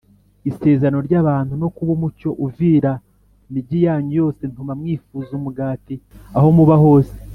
Isezerano ry abantu no kuba umucyo uvira migi yanyu yose ntuma mwifuza umugati aho muba hose